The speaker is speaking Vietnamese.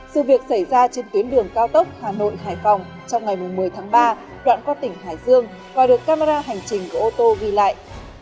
sự việc xảy ra trên tuyến đường cao tốc hà nội hải phòng trong ngày một mươi tháng ba đoạn qua tỉnh hải dương và được camera hành trình của ô tô ghi lại